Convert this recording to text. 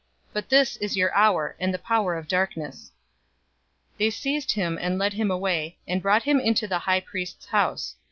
But this is your hour, and the power of darkness." 022:054 They seized him, and led him away, and brought him into the high priest's house.